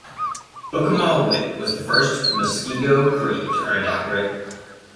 Hookimaw-Witt was the first Muskego-Cree to earn a doctorate.